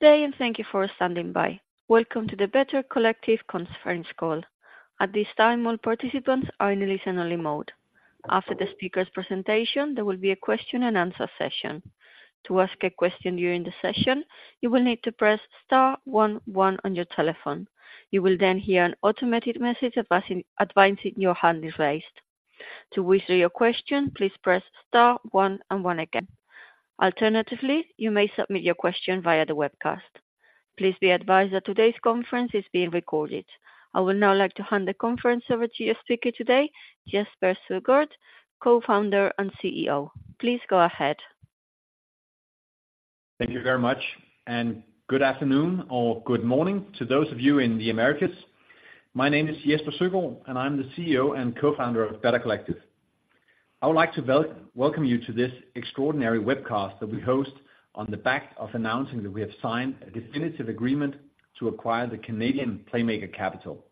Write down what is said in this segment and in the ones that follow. Good day, and thank you for standing by. Welcome to the Better Collective conference call. At this time, all participants are in listen-only mode. After the speaker's presentation, there will be a question and answer session. To ask a question during the session, you will need to press star one, one on your telephone. You will then hear an automated message advising your hand is raised. To withdraw your question, please press star one and one again. Alternatively, you may submit your question via the webcast. Please be advised that today's conference is being recorded. I would now like to hand the conference over to your speaker today, Jesper Søgaard, co-founder and CEO. Please go ahead. Thank you very much, and good afternoon or good morning to those of you in the Americas. My name is Jesper Søgaard, and I'm the CEO and Co-founder of Better Collective. I would like to welcome you to this extraordinary webcast that we host on the back of announcing that we have signed a definitive agreement to acquire the Canadian Playmaker Capital.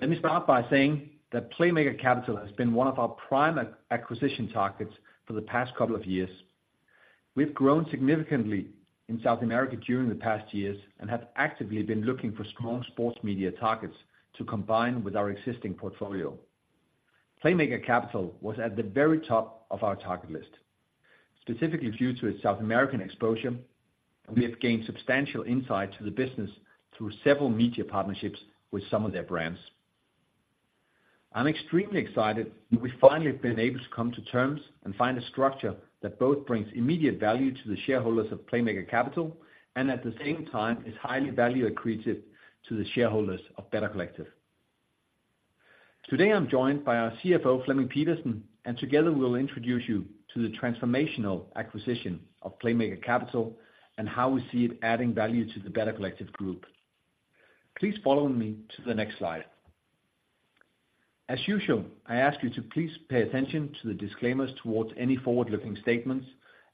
Let me start by saying that Playmaker Capital has been one of our prime acquisition targets for the past couple of years. We've grown significantly in South America during the past years and have actively been looking for strong sports media targets to combine with our existing portfolio. Playmaker Capital was at the very top of our target list, specifically due to its South American exposure, and we have gained substantial insight to the business through several media partnerships with some of their brands. I'm extremely excited that we've finally been able to come to terms and find a structure that both brings immediate value to the shareholders of Playmaker Capital, and at the same time is highly value accretive to the shareholders of Better Collective. Today, I'm joined by our CFO, Flemming Pedersen, and together we'll introduce you to the transformational acquisition of Playmaker Capital and how we see it adding value to the Better Collective group. Please follow me to the next slide. As usual, I ask you to please pay attention to the disclaimers towards any forward-looking statements,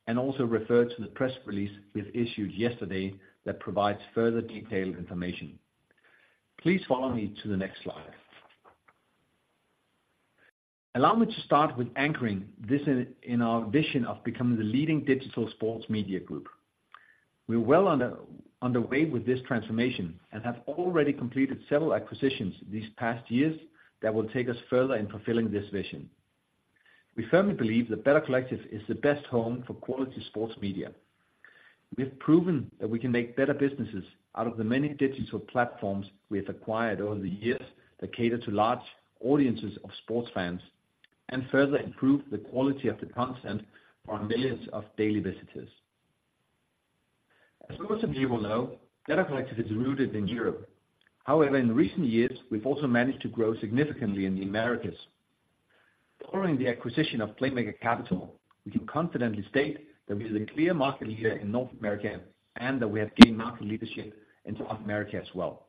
and also refer to the press release we issued yesterday that provides further detailed information. Please follow me to the next slide. Allow me to start with anchoring this in our vision of becoming the leading digital sports media group. We're well underway with this transformation and have already completed several acquisitions these past years that will take us further in fulfilling this vision. We firmly believe that Better Collective is the best home for quality sports media. We've proven that we can make better businesses out of the many digital platforms we have acquired over the years, that cater to large audiences of sports fans, and further improve the quality of the content for millions of daily visitors. As most of you will know, Better Collective is rooted in Europe. However, in recent years, we've also managed to grow significantly in the Americas. Following the acquisition of Playmaker Capital, we can confidently state that we are the clear market leader in North America, and that we have gained market leadership in South America as well.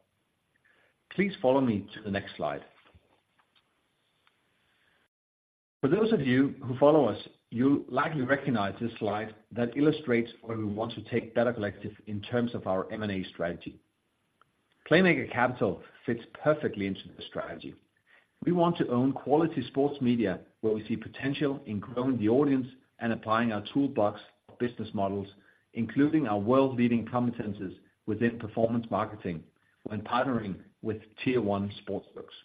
Please follow me to the next slide. For those of you who follow us, you'll likely recognize this slide that illustrates where we want to take Better Collective in terms of our M&A strategy. Playmaker Capital fits perfectly into the strategy. We want to own quality sports media, where we see potential in growing the audience and applying our toolbox of business models, including our world-leading competencies within performance marketing when partnering with Tier One sportsbooks.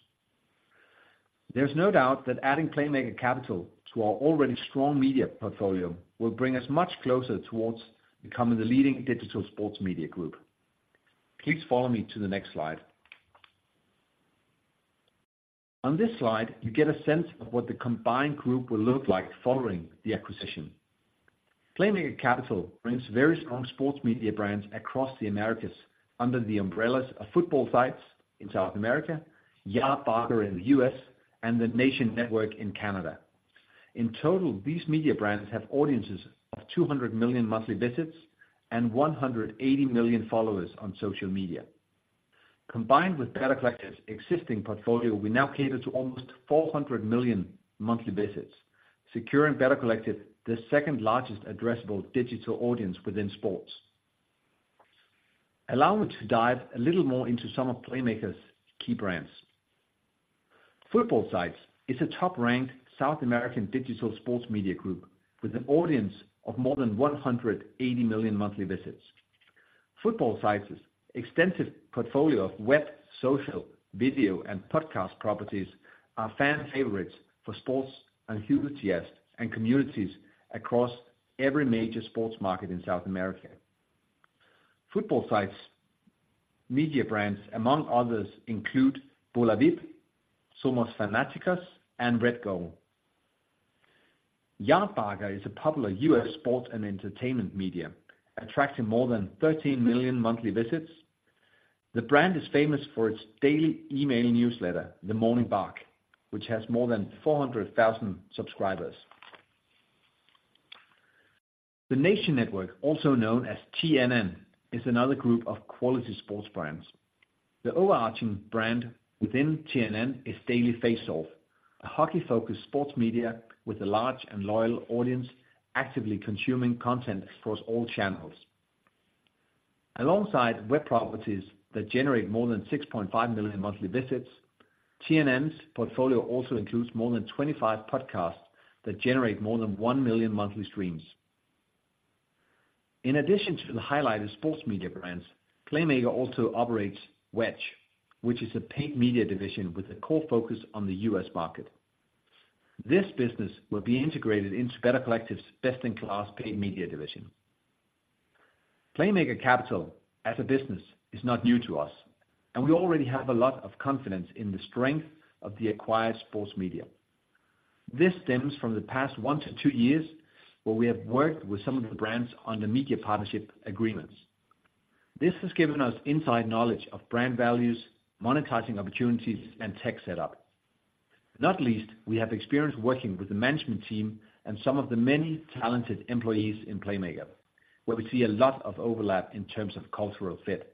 There's no doubt that adding Playmaker Capital to our already strong media portfolio will bring us much closer towards becoming the leading digital sports media group. Please follow me to the next slide. On this slide, you get a sense of what the combined group will look like following the acquisition. Playmaker Capital brings very strong sports media brands across the Americas under the umbrellas of Futbol Sites in South America, Yardbarker in the U.S., and The Nation Network in Canada. In total, these media brands have audiences of 200 million monthly visits and 180 million followers on social media. Combined with Better Collective's existing portfolio, we now cater to almost 400 million monthly visits, securing Better Collective, the second-largest addressable digital audience within sports. Allow me to dive a little more into some of Playmaker's key brands. Futbol Sites is a top-ranked South American digital sports media group with an audience of more than 180 million monthly visits. Futbol Sites' extensive portfolio of web, social, video, and podcast properties are fan favorites for sports enthusiasts and communities across every major sports market in South America. Futbol Sites' media brands, among others, include Bolavip, Somos Fanáticos, and RedGol. Yardbarker is a popular U.S. sports and entertainment media, attracting more than 13 million monthly visits. The brand is famous for its daily email newsletter, The Morning Bark, which has more than 400,000 subscribers. The Nation Network, also known as TNN, is another group of quality sports brands. The overarching brand within TNN is Daily Faceoff, a hockey-focused sports media with a large and loyal audience, actively consuming content across all channels. Alongside web properties that generate more than 6.5 million monthly visits. TNN's portfolio also includes more than 25 podcasts that generate more than 1 million monthly streams. In addition to the highlighted sports media brands, Playmaker also operates Wedge, which is a paid media division with a core focus on the U.S. market. This business will be integrated into Better Collective's best-in-class paid media division. Playmaker Capital as a business is not new to us, and we already have a lot of confidence in the strength of the acquired sports media. This stems from the past 1-2 years, where we have worked with some of the brands on the media partnership agreements. This has given us inside knowledge of brand values, monetizing opportunities, and tech setup. Not least, we have experience working with the management team and some of the many talented employees in Playmaker, where we see a lot of overlap in terms of cultural fit.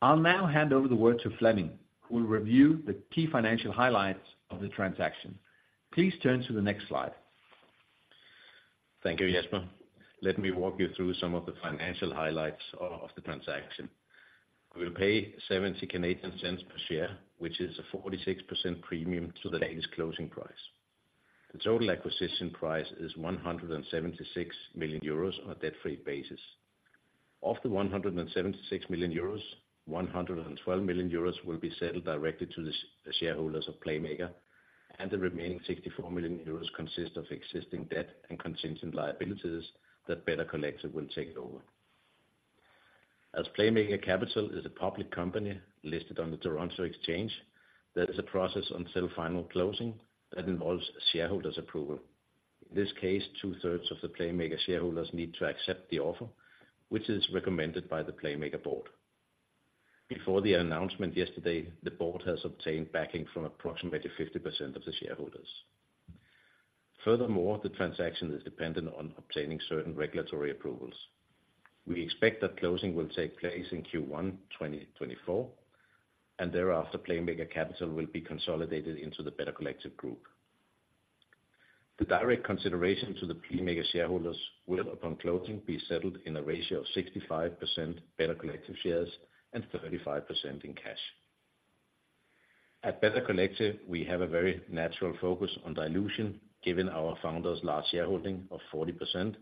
I'll now hand over the word to Flemming, who will review the key financial highlights of the transaction. Please turn to the next slide. Thank you, Jesper. Let me walk you through some of the financial highlights of the transaction. We will pay 0.70 per share, which is a 46% premium to the latest closing price. The total acquisition price is 176 million euros on a debt-free basis. Of the 176 million euros, 112 million euros will be settled directly to the shareholders of Playmaker, and the remaining 64 million euros consist of existing debt and contingent liabilities that Better Collective will take over. As Playmaker Capital is a public company listed on the TSX Venture Exchange, there is a process until final closing that involves shareholders' approval. In this case, two-thirds of the Playmaker shareholders need to accept the offer, which is recommended by the Playmaker board. Before the announcement yesterday, the board has obtained backing from approximately 50% of the shareholders. Furthermore, the transaction is dependent on obtaining certain regulatory approvals. We expect that closing will take place in Q1 2024, and thereafter, Playmaker Capital will be consolidated into the Better Collective group. The direct consideration to the Playmaker shareholders will, upon closing, be settled in a ratio of 65% Better Collective shares and 35% in cash. At Better Collective, we have a very natural focus on dilution, given our founder's large shareholding of 40%,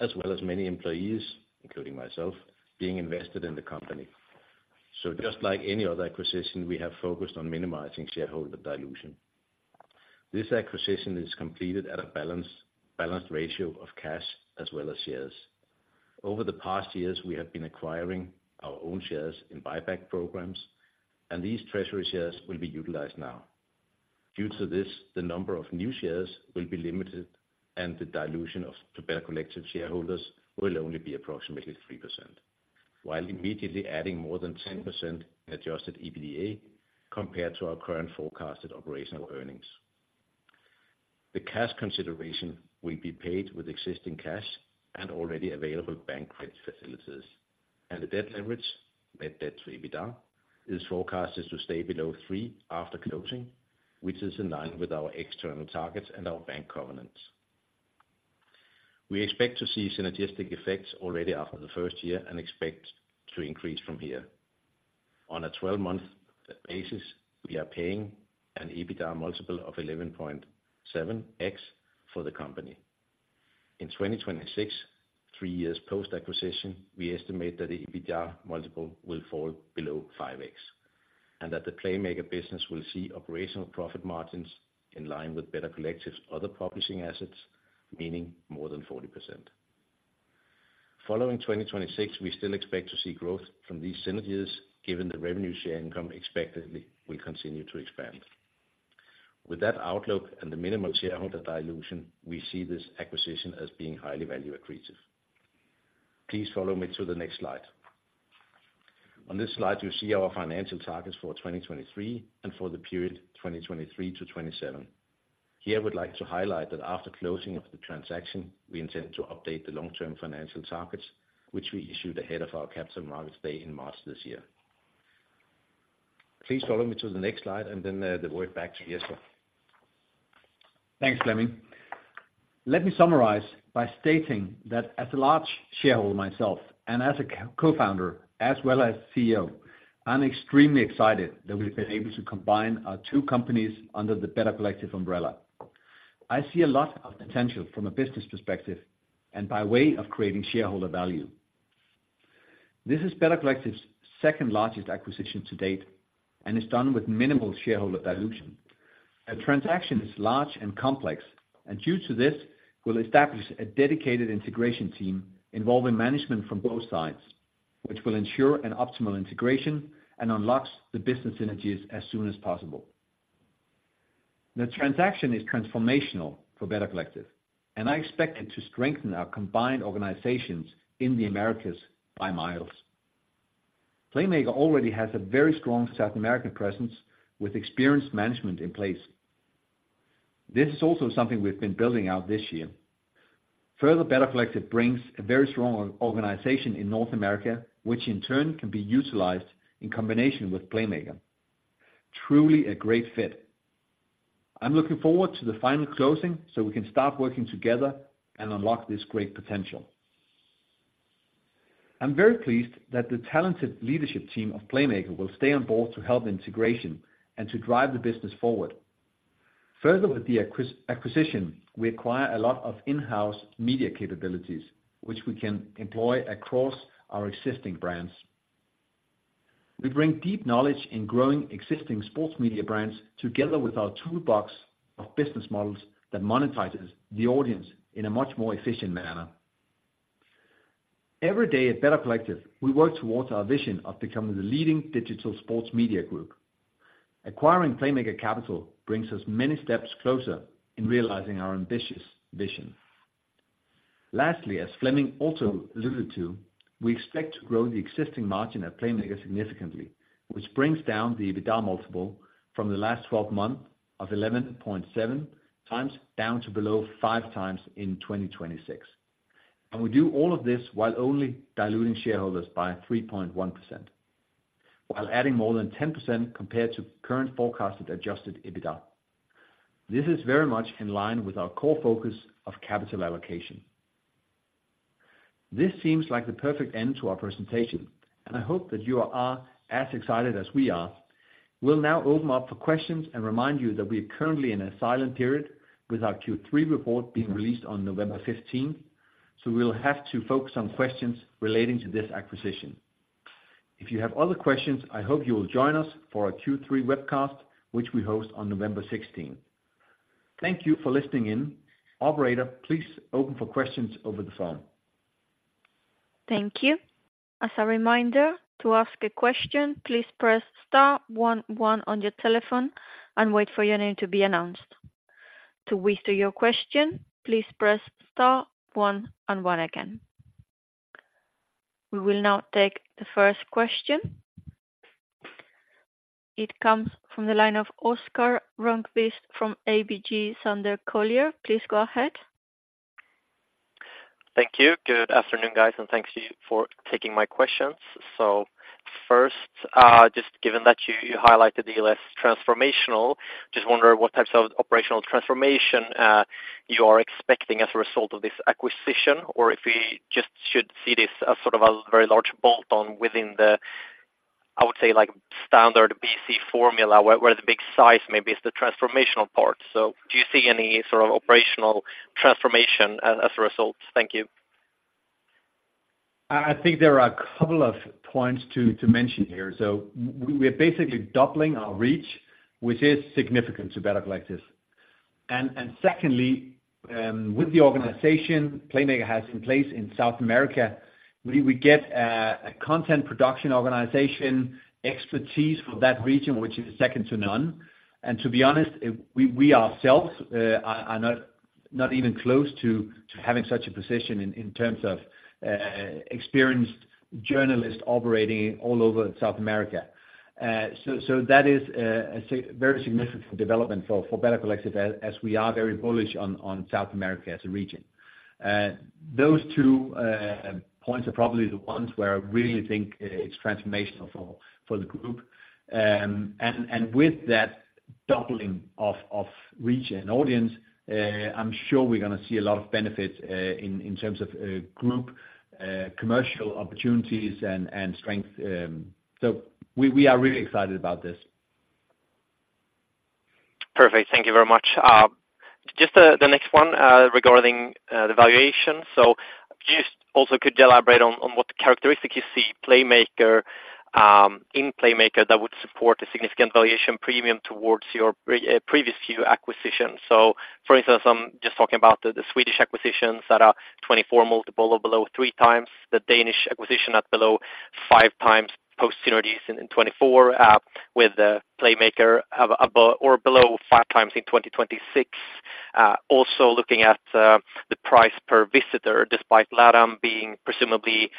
as well as many employees, including myself, being invested in the company. So just like any other acquisition, we have focused on minimizing shareholder dilution. This acquisition is completed at a balance, balanced ratio of cash as well as shares. Over the past years, we have been acquiring our own shares in buyback programs, and these treasury shares will be utilized now. Due to this, the number of new shares will be limited, and the dilution of Better Collective shareholders will only be approximately 3%, while immediately adding more than 10% in Adjusted EBITDA compared to our current forecasted operational earnings. The cash consideration will be paid with existing cash and already available bank credit facilities, and the debt leverage, net debt to EBITDA, is forecasted to stay below three after closing, which is in line with our external targets and our bank covenants. We expect to see synergistic effects already after the first year and expect to increase from here. On a 12-month basis, we are paying an EBITDA multiple of 11.7x for the company. In 2026, three years post-acquisition, we estimate that the EBITDA multiple will fall below 5x, and that the Playmaker business will see operational profit margins in line with Better Collective's other publishing assets, meaning more than 40%. Following 2026, we still expect to see growth from these synergies, given the revenue share income expectedly will continue to expand. With that outlook and the minimal shareholder dilution, we see this acquisition as being highly value accretive. Please follow me to the next slide. On this slide, you see our financial targets for 2023 and for the period 2023-2027. Here, I would like to highlight that after closing of the transaction, we intend to update the long-term financial targets, which we issued ahead of our Capital Markets Day in March this year. Please follow me to the next slide, and then, the word back to Jesper. Thanks, Flemming. Let me summarize by stating that as a large shareholder myself and as a co-founder, as well as CEO, I'm extremely excited that we've been able to combine our two companies under the Better Collective umbrella. I see a lot of potential from a business perspective and by way of creating shareholder value. This is Better Collective's second-largest acquisition to date and is done with minimal shareholder dilution. The transaction is large and complex, and due to this, we'll establish a dedicated integration team involving management from both sides, which will ensure an optimal integration and unlocks the business synergies as soon as possible. The transaction is transformational for Better Collective, and I expect it to strengthen our combined organizations in the Americas by miles. Playmaker already has a very strong South American presence with experienced management in place. This is also something we've been building out this year. Further, Better Collective brings a very strong organization in North America, which in turn can be utilized in combination with Playmaker. Truly a great fit. I'm looking forward to the final closing, so we can start working together and unlock this great potential. I'm very pleased that the talented leadership team of Playmaker will stay on board to help integration and to drive the business forward. Further, with the acquisition, we acquire a lot of in-house media capabilities, which we can employ across our existing brands. We bring deep knowledge in growing existing sports media brands together with our toolbox of business models that monetizes the audience in a much more efficient manner. Every day at Better Collective, we work towards our vision of becoming the leading digital sports media group. Acquiring Playmaker Capital brings us many steps closer in realizing our ambitious vision. Lastly, as Flemming also alluded to, we expect to grow the existing margin at Playmaker significantly, which brings down the EBITDA multiple from the last twelve months of 11.7x down to below 5x in 2026. And we do all of this while only diluting shareholders by 3.1%, while adding more than 10% compared to current forecasted adjusted EBITDA. This is very much in line with our core focus of capital allocation. This seems like the perfect end to our presentation, and I hope that you are, are as excited as we are. We'll now open up for questions and remind you that we are currently in a silent period with our Q3 report being released on November fifteenth. So we'll have to focus on questions relating to this acquisition. If you have other questions, I hope you will join us for our Q3 webcast, which we host on November sixteenth. Thank you for listening in. Operator, please open for questions over the phone. Thank you. As a reminder, to ask a question, please press star one one on your telephone and wait for your name to be announced. To withdraw your question, please press star one and one again. We will now take the first question. It comes from the line of Oscar Rönnkvist from ABG Sundal Collier. Please go ahead. Thank you. Good afternoon, guys, and thanks to you for taking my questions. So first, just given that you highlighted the less transformational, just wondering what types of operational transformation you are expecting as a result of this acquisition, or if we just should see this as sort of a very large bolt-on within the, I would say, like, standard BC formula, where the big size maybe is the transformational part. So do you see any sort of operational transformation as a result? Thank you. I think there are a couple of points to mention here. So we are basically doubling our reach, which is significant to Better Collective. And secondly, with the organization Playmaker has in place in South America, we get a content production organization expertise for that region, which is second to none. And to be honest, we ourselves are not even close to having such a position in terms of experienced journalists operating all over South America. So that is a very significant development for Better Collective, as we are very bullish on South America as a region. Those two points are probably the ones where I really think it's transformational for the group. With that doubling of reach and audience, I'm sure we're gonna see a lot of benefits in terms of group commercial opportunities and strength. So we are really excited about this. Perfect. Thank you very much. Just the next one regarding the valuation. So just also could you elaborate on what characteristics you see in Playmaker that would support a significant valuation premium towards your previous few acquisitions? So for instance, I'm just talking about the Swedish acquisitions that are 24x multiple or below 3x, the Danish acquisition at below 5x post synergies in 2024 with the Playmaker or below 5x in 2026. Also looking at the price per visitor, despite LATAM being presumably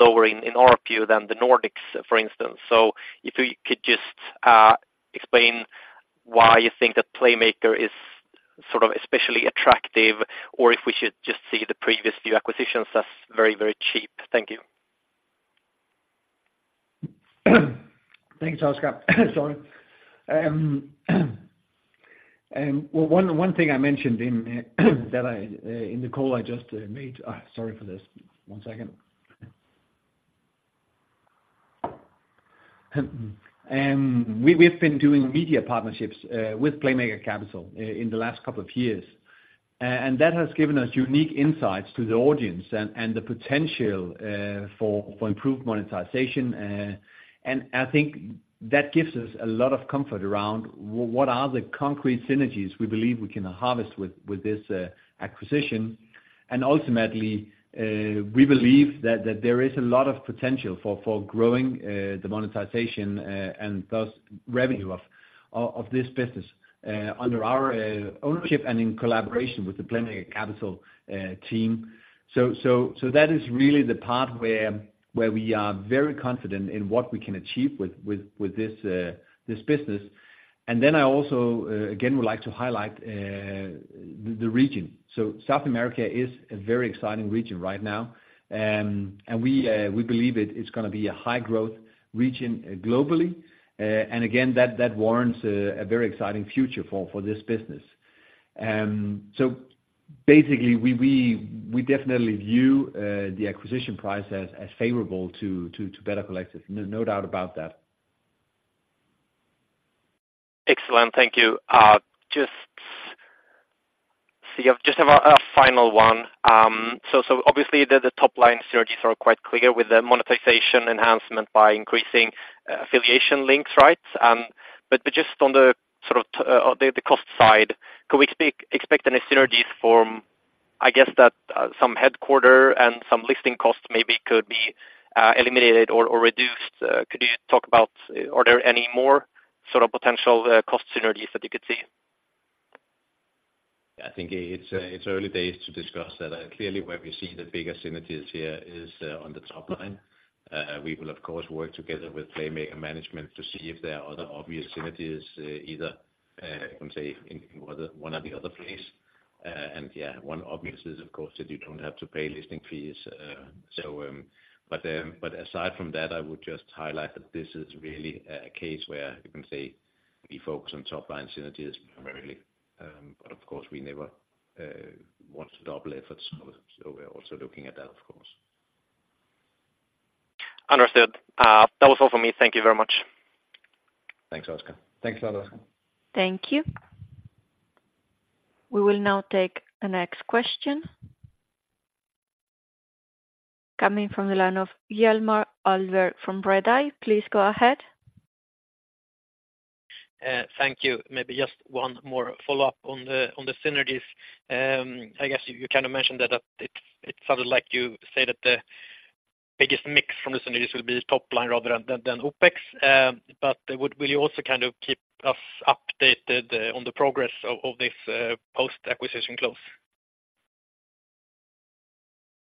lower in our view than the Nordics, for instance. So if you could just explain why you think that Playmaker is sort of especially attractive, or if we should just see the previous few acquisitions as very, very cheap. Thank you. Thanks, Oscar. Sorry. And well, one thing I mentioned in the call I just made. Sorry for this. One second. We have been doing media partnerships with Playmaker Capital in the last couple of years. And that has given us unique insights to the audience and the potential for improved monetization. And I think that gives us a lot of comfort around what are the concrete synergies we believe we can harvest with this acquisition. And ultimately, we believe that there is a lot of potential for growing the monetization and thus, revenue of this business under our ownership and in collaboration with the Playmaker Capital team. So that is really the part where we are very confident in what we can achieve with this business. And then I also again would like to highlight the region. So South America is a very exciting region right now. And we believe it is gonna be a high-growth region globally. And again, that warrants a very exciting future for this business.... So basically, we definitely view the acquisition price as favorable to Better Collective. No doubt about that. Excellent. Thank you. Just, I just have a final one. So, obviously the top line synergies are quite clear with the monetization enhancement by increasing affiliation links, right? But just on the sort of the cost side, could we expect any synergies from, I guess, that some headquarters and some listing costs maybe could be eliminated or reduced? Could you talk about, are there any more sort of potential cost synergies that you could see? I think it's early days to discuss that. Clearly, where we see the bigger synergies here is on the top line. We will, of course, work together with Playmaker management to see if there are other obvious synergies, either, you can say, in one or the other place. And yeah, one obvious is, of course, that you don't have to pay listing fees. So, but aside from that, I would just highlight that this is really a case where you can say we focus on top line synergies primarily. But of course, we never want to double efforts, so we're also looking at that, of course. Understood. That was all for me. Thank you very much. Thanks, Oscar. Thanks a lot, Oscar. Thank you. We will now take the next question. Coming from the line of Hjalmar Ahlberg from Redeye. Please go ahead. Thank you. Maybe just one more follow-up on the synergies. I guess you kind of mentioned that it sounded like you said that the biggest mix from the synergies will be top line rather than OpEx. But will you also kind of keep us updated on the progress of this post-acquisition close?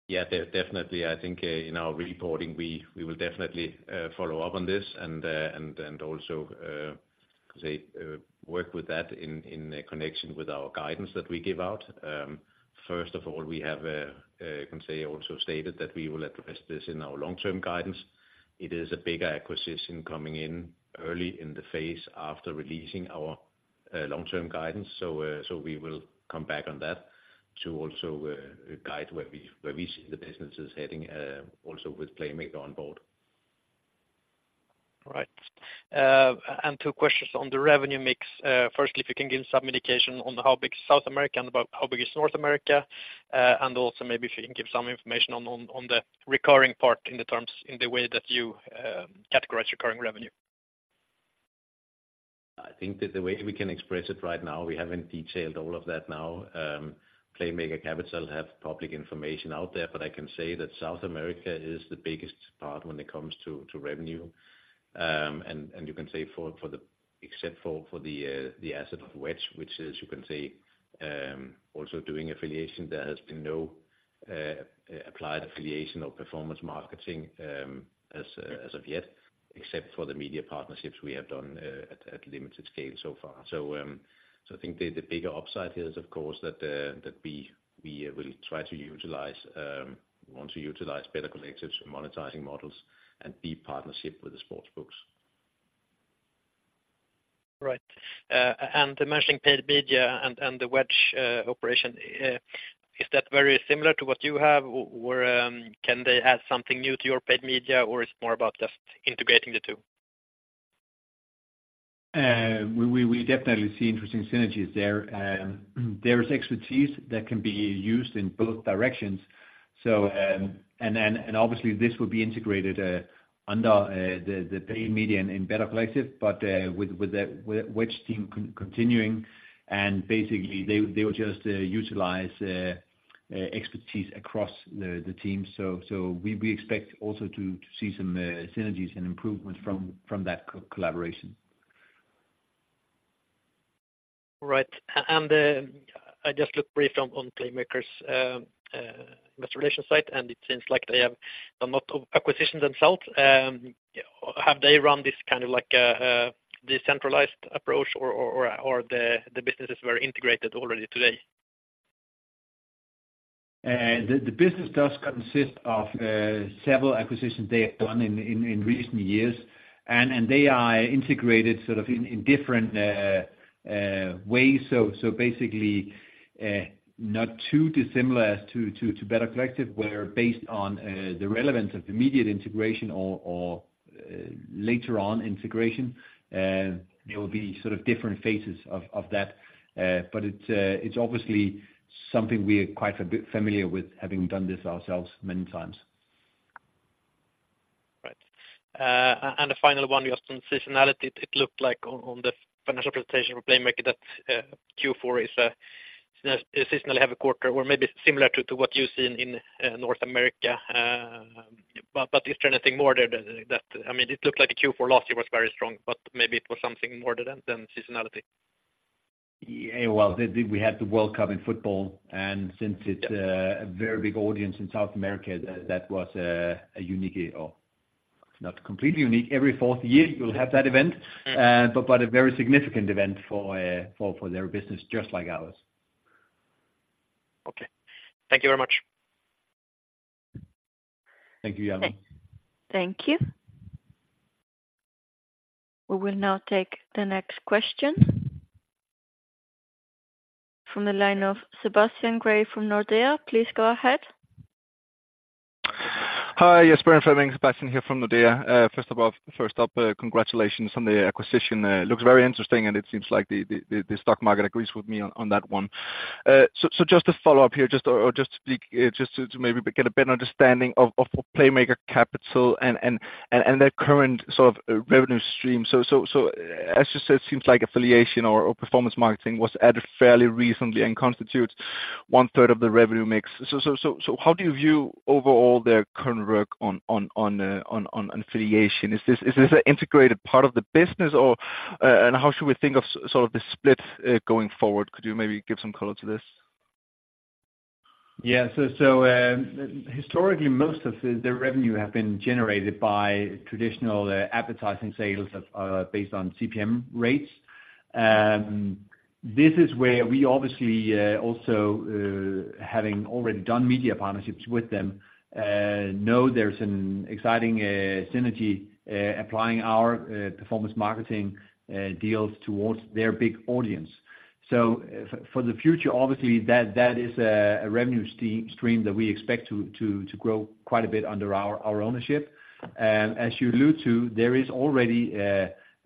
Yeah, definitely. I think, in our reporting, we will definitely follow up on this, and also work with that in connection with our guidance that we give out. First of all, we have also stated that we will address this in our long-term guidance. It is a big acquisition coming in early in the phase after releasing our long-term guidance. So, we will come back on that to also guide where we see the businesses heading, also with Playmaker on board. Right. And two questions on the revenue mix. Firstly, if you can give some indication on how big South America and about how big is North America. And also maybe if you can give some information on the recurring part in the terms, in the way that you categorize recurring revenue. I think that the way we can express it right now, we haven't detailed all of that now. Playmaker Capital have public information out there, but I can say that South America is the biggest part when it comes to revenue. And you can say, except for the asset of Wedge, which is, you can say, also doing affiliation, there has been no applied affiliation or performance marketing, as of yet, except for the media partnerships we have done, at limited scale so far. So I think the bigger upside here is, of course, that we will try to utilize, want to utilize Better Collective's monetizing models and the partnership with the sports books. Right. And mentioning paid media and the Wedge operation, is that very similar to what you have? Where can they add something new to your paid media, or it's more about just integrating the two? We definitely see interesting synergies there. There is expertise that can be used in both directions. So, obviously this will be integrated under the paid media in Better Collective, but with the Wedge team continuing, and basically, they will just utilize expertise across the team. So we expect also to see some synergies and improvements from that collaboration. Right. I just looked briefly on Playmaker's investor relation site, and it seems like they have done a lot of acquisitions themselves. Have they run this kind of like decentralized approach or the businesses were integrated already today? The business does consist of several acquisitions they have done in recent years, and they are integrated sort of in different ways. So basically, not too dissimilar to Better Collective, where based on the relevance of immediate integration or later on integration, there will be sort of different phases of that. But it's obviously something we are quite familiar with, having done this ourselves many times. Right. And a final one, just on seasonality. It looked like on the financial presentation for Playmaker that Q4 is a seasonally heavy quarter or maybe similar to what you see in North America. But is there anything more there than that? I mean, it looked like the Q4 last year was very strong, but maybe it was something more than seasonality. Yeah, well, we had the World Cup in football, and since it's- Yeah... a very big audience in South America, that was a unique year. Or not completely unique, every fourth year you'll have that event. Mm-hmm. But a very significant event for their business, just like ours. Okay. Thank you very much.... Thank you, Hjalmar Thank you. We will now take the next question from the line of Sebastian Grave from Nordea. Please go ahead. Hi, yes, Jesper Fleming, Sebastian here from Nordea. First of all, congratulations on the acquisition. It looks very interesting, and it seems like the stock market agrees with me on that one. So just to follow up here, just to maybe get a better understanding of Playmaker Capital and their current sort of revenue stream. So as you said, it seems like affiliation or performance marketing was added fairly recently and constitutes one third of the revenue mix. So how do you view overall their current work on affiliation? Is this an integrated part of the business, or and how should we think of sort of the split going forward? Could you maybe give some color to this? Yeah. So, historically, most of the revenue have been generated by traditional advertising sales based on CPM rates. This is where we obviously also having already done media partnerships with them know there's an exciting synergy applying our Performance Marketing deals towards their big audience. So for the future, obviously, that is a revenue stream that we expect to grow quite a bit under our ownership. And as you allude to, there is already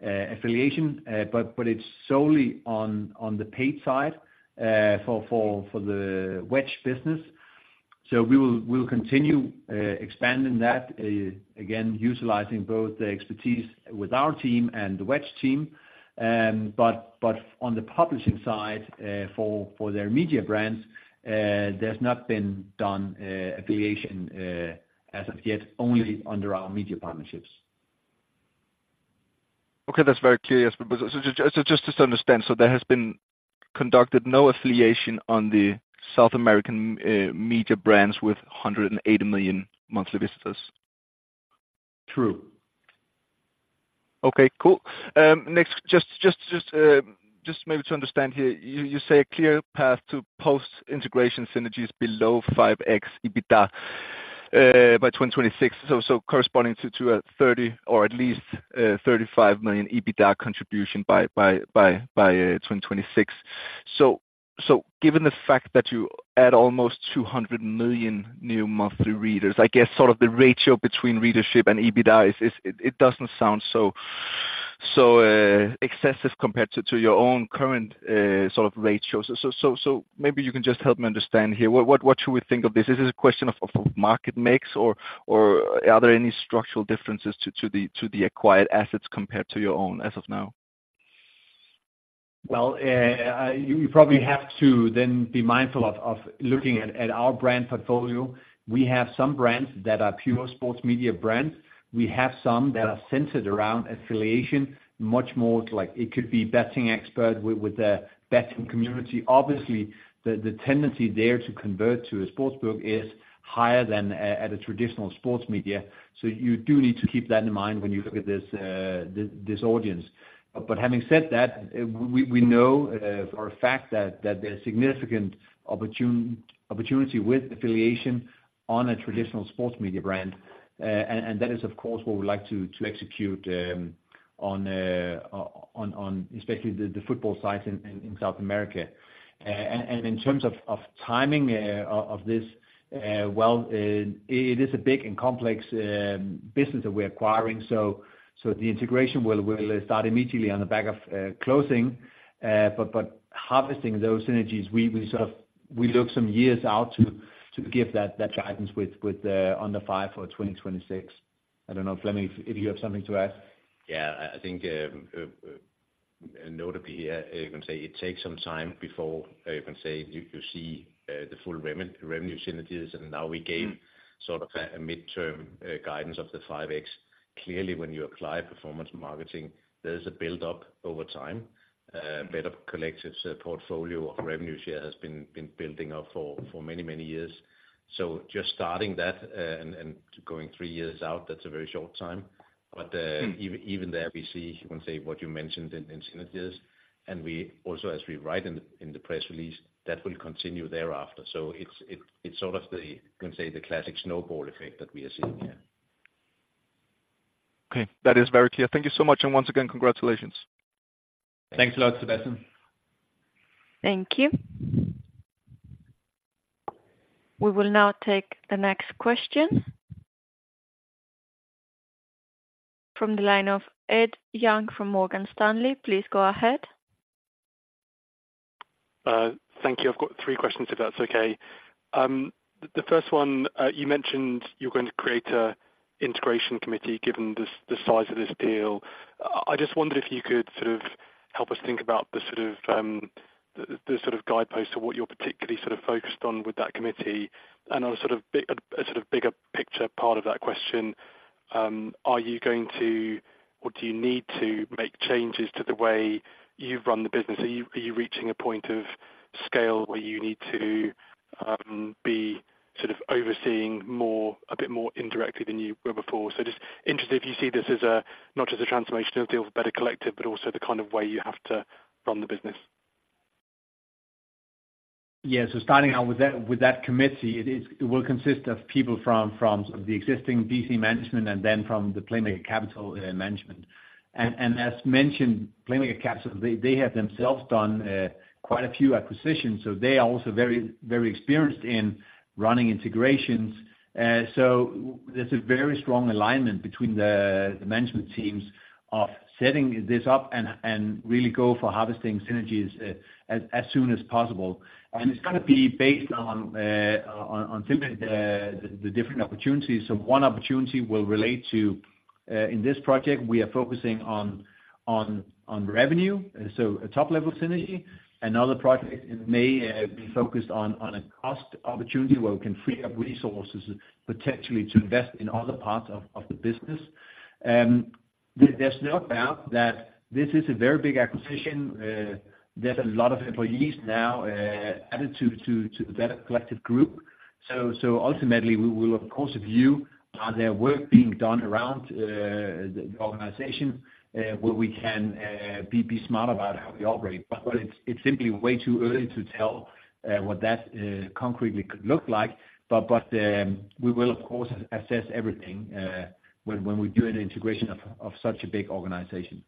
affiliation, but it's solely on the paid side for the Wedge business. So we will continue expanding that again, utilizing both the expertise with our team and the Wedge team. But on the publishing side, for their media brands, there's not been done affiliation as of yet, only under our media partnerships. Okay, that's very clear, yes. But so just to understand, so there has been conducted no affiliation on the South American media brands with 180 million monthly visitors? True. Okay, cool. Next, just maybe to understand here, you say a clear path to post-integration synergies below 5x EBITDA by 2026. So corresponding to a 30 or at least 35 million EBITDA contribution by 2026. So given the fact that you add almost 200 million new monthly readers, I guess sort of the ratio between readership and EBITDA is... it doesn't sound so excessive compared to your own current sort of ratios. So maybe you can just help me understand here, what should we think of this? Is this a question of market mix or are there any structural differences to the acquired assets compared to your own as of now? Well, you probably have to then be mindful of looking at our brand portfolio. We have some brands that are pure sports media brands. We have some that are centered around affiliation, much more like it could be betting expert with a betting community. Obviously, the tendency there to convert to a sportsbook is higher than at a traditional sports media. So you do need to keep that in mind when you look at this audience. But having said that, we know for a fact that there's significant opportunity with affiliation on a traditional sports media brand. And that is, of course, what we would like to execute on especially the football sites in South America. And in terms of timing of this, well, it is a big and complex business that we're acquiring. So the integration will start immediately on the back of closing. But harvesting those synergies, we sort of look some years out to give that guidance with on the 5 for 2026. I don't know if, Flemming, if you have something to add? Yeah, I think, notably, you can say it takes some time before you can say you see the full revenue synergies. And now we gave- Mm. Sort of a midterm guidance of the 5x. Clearly, when you apply performance marketing, there is a build-up over time. Mm. Better Collective's portfolio of revenue share has been building up for many years. So just starting that, and going three years out, that's a very short time. But, Mm. Even there we see, you can say, what you mentioned in synergies, and we also, as we write in the press release, that will continue thereafter. So it's sort of the, you can say, the classic snowball effect that we are seeing here. Okay, that is very clear. Thank you so much, and once again, congratulations. Thanks a lot, Sebastian. Thank you. We will now take the next question. From the line of Ed Young from Morgan Stanley. Please go ahead. Thank you. I've got three questions, if that's okay. The first one, you mentioned you're going to create a integration committee, given the size of this deal. I just wondered if you could sort of help us think about the sort of guideposts of what you're particularly sort of focused on with that committee. And on a sort of bigger picture part of that question, are you going to or do you need to make changes to the way you've run the business? Are you reaching a point of scale where you need to be sort of overseeing more, a bit more indirectly than you were before? Just interested if you see this as a, not just a transformational deal for Better Collective, but also the kind of way you have to run the business?... Yeah, so starting out with that, with that committee, it is, it will consist of people from, from the existing BC management and then from the Playmaker Capital, management. And, and as mentioned, Playmaker Capital, they, they have themselves done, quite a few acquisitions, so they are also very, very experienced in running integrations. So there's a very strong alignment between the, the management teams of setting this up and, and really go for harvesting synergies, as, as soon as possible. And it's gonna be based on, on, on some of the, the different opportunities. So one opportunity will relate to, in this project, we are focusing on, on, on revenue, so a top-level synergy. Another project may, be focused on, on a cost opportunity, where we can free up resources potentially to invest in other parts of, of the business. There's no doubt that this is a very big acquisition. There's a lot of employees now added to the Better Collective group. So ultimately, we will of course review where the work being done around the organization, where we can be smart about how we operate. But it's simply way too early to tell what that concretely could look like. But we will, of course, assess everything when we do an integration of such a big organization.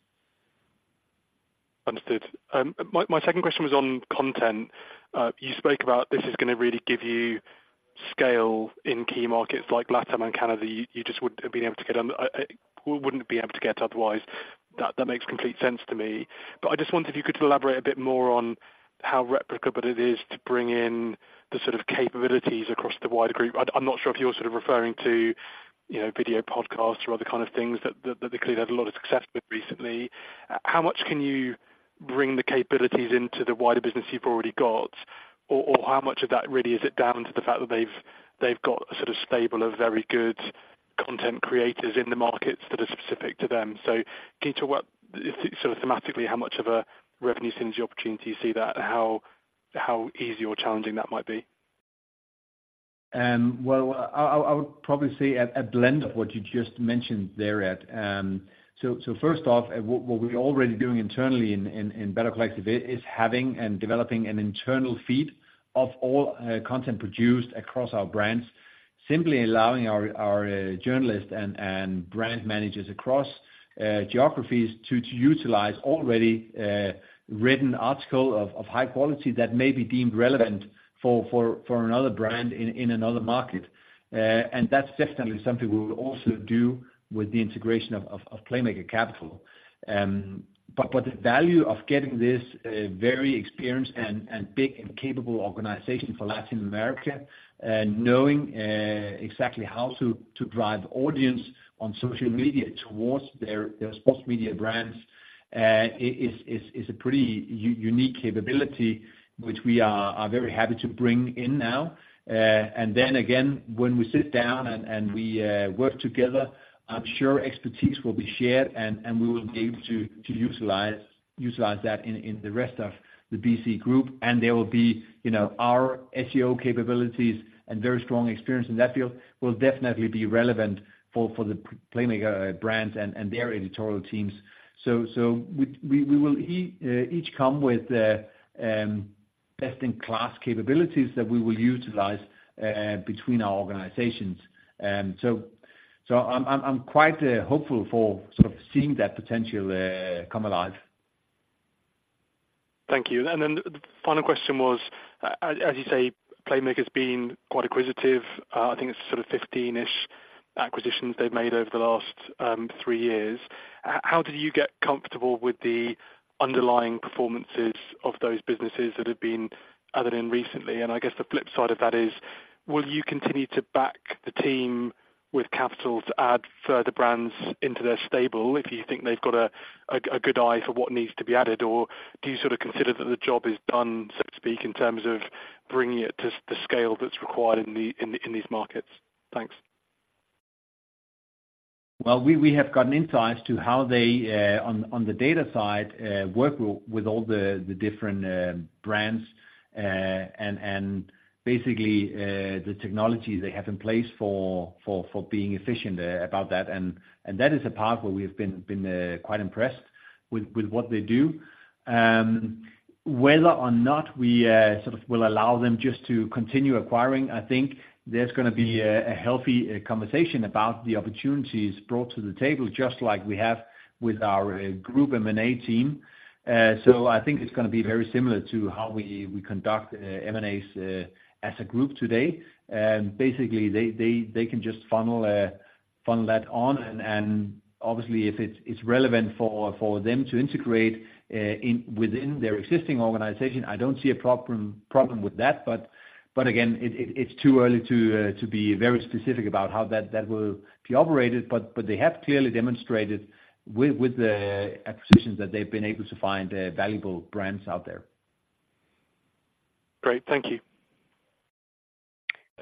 Understood. My second question was on content. You spoke about this is gonna really give you scale in key markets like LATAM and Canada, you just wouldn't have been able to get them... wouldn't be able to get otherwise. That makes complete sense to me. But I just wondered if you could elaborate a bit more on how replicable it is to bring in the sort of capabilities across the wider group. I'm not sure if you're sort of referring to, you know, video podcasts or other kind of things that clearly they've had a lot of success with recently. How much can you bring the capabilities into the wider business you've already got? Or, how much of that really is it down to the fact that they've got a sort of stable of very good content creators in the markets that are specific to them? So can you talk what, sort of thematically, how much of a revenue synergy opportunity you see that, how easy or challenging that might be? Well, I would probably say a blend of what you just mentioned there, Ed. So first off, what we're already doing internally in Better Collective is having and developing an internal feed of all content produced across our brands. Simply allowing our journalists and brand managers across geographies to utilize already written articles of high quality that may be deemed relevant for another brand in another market. And that's definitely something we will also do with the integration of Playmaker Capital. But the value of getting this very experienced and big and capable organization for Latin America, knowing exactly how to drive audience on social media towards their sports media brands, is a pretty unique capability, which we are very happy to bring in now. And then again, when we sit down and we work together, I'm sure expertise will be shared, and we will be able to utilize that in the rest of the BC group. And there will be, you know, our SEO capabilities and very strong experience in that field will definitely be relevant for the Playmaker brands and their editorial teams. So we will each come with best-in-class capabilities that we will utilize between our organizations. So, I'm quite hopeful for sort of seeing that potential come alive. Thank you. And then the final question was, as you say, Playmaker's been quite acquisitive. I think it's sort of 15-ish acquisitions they've made over the last 3 years. How did you get comfortable with the underlying performances of those businesses that have been added in recently? And I guess the flip side of that is, will you continue to back the team with capital to add further brands into their stable, if you think they've got a good eye for what needs to be added? Or do you sort of consider that the job is done, so to speak, in terms of bringing it to the scale that's required in these markets? Thanks. Well, we have gotten insights to how they, on the data side, work with all the different brands and basically the technologies they have in place for being efficient about that. And that is a part where we've been quite impressed with what they do. Whether or not we sort of will allow them just to continue acquiring, I think there's gonna be a healthy conversation about the opportunities brought to the table, just like we have with our group M&A team. So I think it's gonna be very similar to how we conduct M&As as a group today. And basically, they can just funnel that on, and obviously, if it's relevant for them to integrate within their existing organization, I don't see a problem with that. But again, it's too early to be very specific about how that will be operated. But they have clearly demonstrated with the acquisitions, that they've been able to find valuable brands out there. Great. Thank you.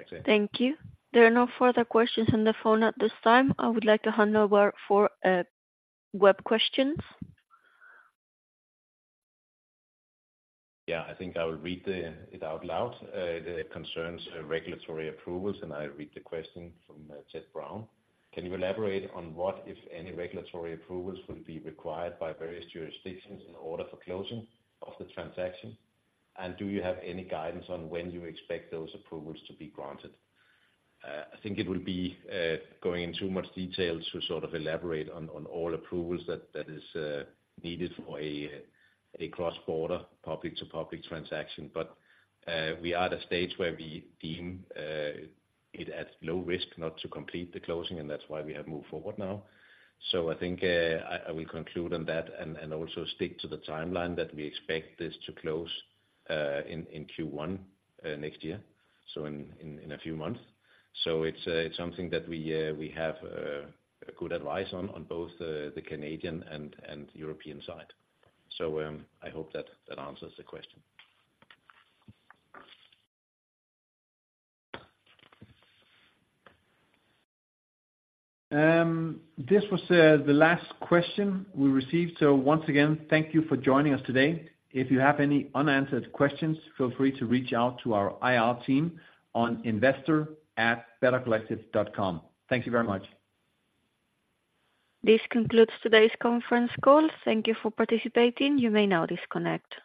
Thanks. Thank you. There are no further questions on the phone at this time. I would like to hand over for web questions. Yeah, I think I will read it out loud. The question concerns regulatory approvals, and I read the question from Ted Brown. Can you elaborate on what, if any, regulatory approvals will be required by various jurisdictions in order for closing of the transaction? And do you have any guidance on when you expect those approvals to be granted? I think it will be going into much details to sort of elaborate on all approvals that is needed for a cross-border, public-to-public transaction. But we are at a stage where we deem it at low risk not to complete the closing, and that's why we have moved forward now. So I think I will conclude on that and also stick to the timeline that we expect this to close in Q1 next year, so in a few months. So it's something that we have a good advice on both the Canadian and European side. So I hope that that answers the question. This was the last question we received. Once again, thank you for joining us today. If you have any unanswered questions, feel free to reach out to our IR team on investor@bettercollective.com. Thank you very much. This concludes today's conference call. Thank you for participating. You may now disconnect.